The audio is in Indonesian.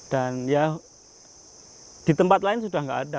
dan ya di tempat lain sudah enggak ada